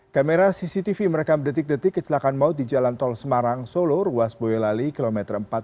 kamera cctv merekam detik detik kecelakaan maut di jalan tol semarang solo ruas boyolali km empat ratus delapan puluh tujuh enam ratus